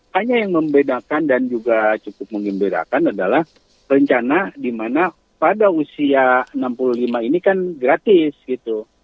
hanya yang membedakan dan juga cukup mengembirakan adalah rencana di mana pada usia enam puluh lima ini kan gratis gitu